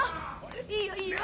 いいよいいよ！